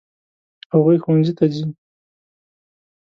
هغوی ښوونځي ته ځي.